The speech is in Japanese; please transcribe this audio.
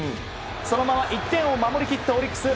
そのまま１点を守り切ったオリックス。